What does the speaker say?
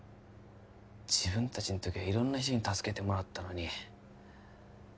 自分達の時は色んな人に助けてもらったのに